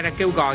ra kêu gọi